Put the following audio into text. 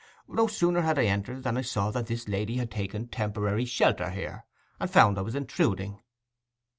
No sooner had I entered than I saw that this lady had taken temporary shelter here—and found I was intruding.